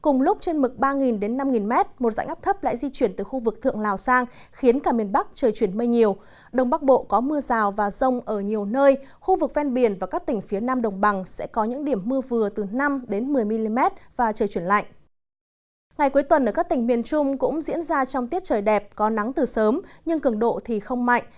ngày cuối tuần ở các tỉnh miền trung cũng diễn ra trong tiết trời đẹp có nắng từ sớm nhưng cường độ thì không mạnh